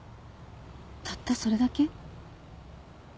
たったそれだけ？